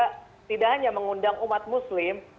tidak hanya mengundang umat muslim